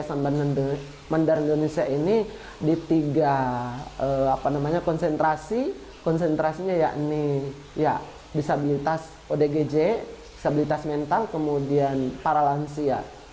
samban mendar indonesia ini di tiga konsentrasi konsentrasinya yakni disabilitas odgj disabilitas mental kemudian para lansia